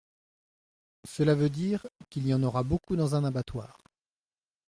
Cela veut dire qu’il y en aura beaucoup dans un abattoir.